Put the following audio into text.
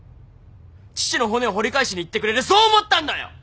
父の骨を掘り返しに行ってくれるそう思ったんだよ！